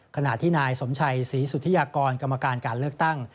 ขณะที่นายสมชัยศรีสุธิยากรกรรมการการเลือกตั้ง